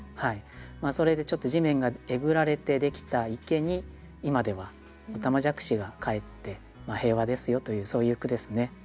それでちょっと地面がえぐられてできた池に今ではおたまじゃくしがかえって平和ですよというそういう句ですね。